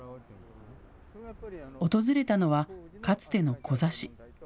訪れたのは、かつてのコザ市。